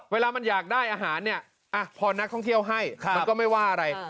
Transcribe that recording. เวลามันอยากได้อาหารเนี่ยพอนักท่องเที่ยวให้มันก็ไม่ว่าอะไร